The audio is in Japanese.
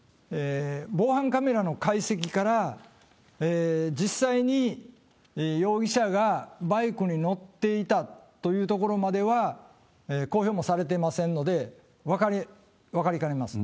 防犯カメラの解析から、実際に容疑者がバイクに乗っていたというところまでは公表もされてませんので、分かりかねます。